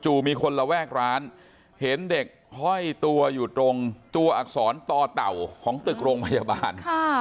มีคนระแวกร้านเห็นเด็กห้อยตัวอยู่ตรงตัวอักษรต่อเต่าของตึกโรงพยาบาล